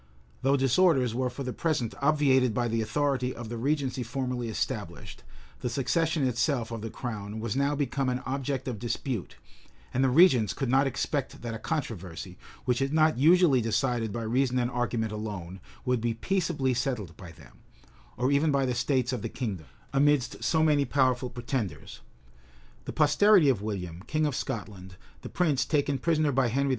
Though disorders were for the present obviated by the authority of the regency formerly established, the succession itself of the crown was now become an object of dispute; and the regents could not expect that a controversy, which is not usually decided by reason and argument alone, would be peaceably settled by them, or even by the states of the kingdom, amidst so many powerful pretenders. The posterity of William, king of Scotland, the prince taken prisoner by Henry II.